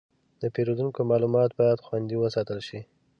د پیرودونکو معلومات باید خوندي وساتل شي.